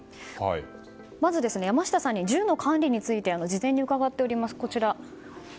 まず山下さんに銃の管理について事前に伺っております。